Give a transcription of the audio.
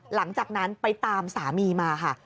หลังจากนั้นไปตามสามีมาค่ะ